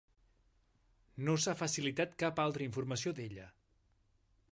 No s'ha facilitat cap altra informació d'ella.